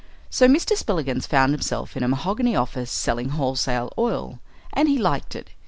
So Mr. Spillikins found himself in a mahogany office selling wholesale oil. And he liked it.